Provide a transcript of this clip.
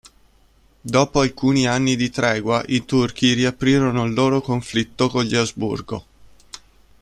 Dopo alcuni anni di tregua, i turchi riaprirono il loro conflitto con gli Asburgo.